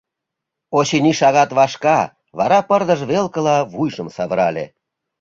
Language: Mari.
«Очыни, шагат вашка», вара пырдыж велкыла вуйжым савырале.